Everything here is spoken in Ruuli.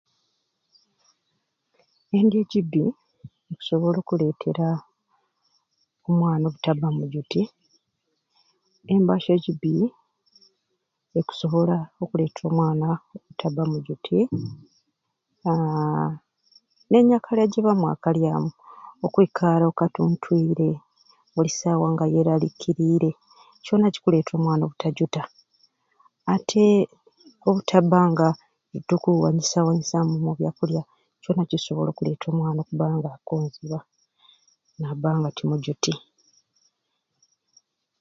Endya egibi ekusobola okuleteera omwana obutabba mujuti, embasya egibbi ekibiina ekusobola okuleetera omwana obutabba mujuti aaa n'enyakalya gyebamwakalyamu okwikara oku katuntwire buli saawa nga yeraliikiriire kyona kikuletera omwana obu tajuta atii obutabanga tokuwanyisa wanyisamu omubya kulya kyona kisobola okuleetera omwana okubanga akonziba n'atabba mujuti.